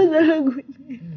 semua salah gue mir